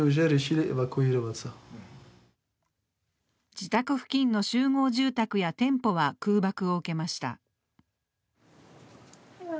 自宅付近の集合住宅や店舗は空爆を受けました。